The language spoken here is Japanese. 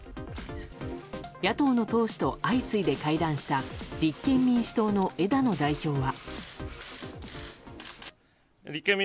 野党の党首と相次いで会談した立憲民主党の枝野代表は。